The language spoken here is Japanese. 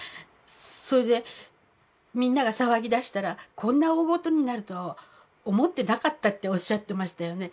それでみんなが騒ぎだしたら「こんな大ごとになるとは思ってなかった」っておっしゃっていましたよね。